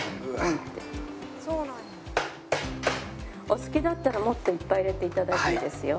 お好きだったらもっといっぱい入れて頂いていいですよ。